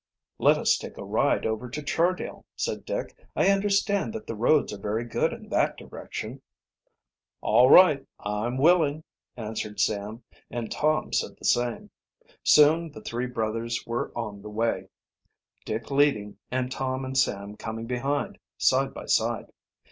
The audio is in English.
"Let us take a ride over to Chardale," said Dick. "I understand that the roads are very good in that direction." "All right, I'm willing," answered Sam, and Tom said the same. Soon the three brothers were on the way, Dick leading and Tom and Sam coming behind, side by side.